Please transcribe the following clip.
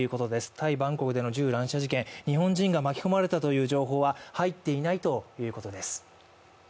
タイ・バンコクでの銃乱射事件、日本人が巻き込まれた情報は入っていないということです。